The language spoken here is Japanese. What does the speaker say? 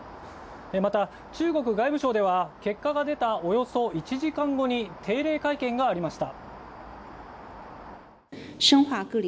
また、中国外務省では、結果が出たおよそ１時間後に定例会見がありました。